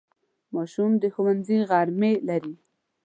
ماشوم د ښوونځي غرمې لري.